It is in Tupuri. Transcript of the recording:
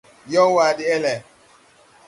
Yo / Yowa Deʼele :